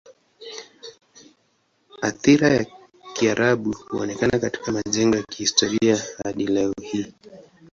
Athira ya Kiarabu huonekana katika majengo ya kihistoria hadi leo hii.